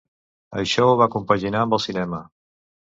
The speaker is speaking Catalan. Això ho va compaginar amb el cinema.